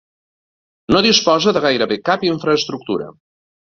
No disposa de gairebé cap infraestructura.